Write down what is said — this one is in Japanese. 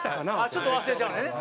ちょっと忘れちゃうのね。